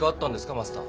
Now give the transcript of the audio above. マスター。